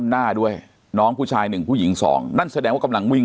หน้าด้วยน้องผู้ชายหนึ่งผู้หญิงสองนั่นแสดงว่ากำลังวิ่ง